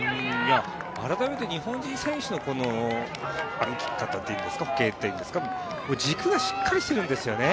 改めて日本人選手の歩き方というんですか、歩型というんですか軸がしっかりしているんですよね。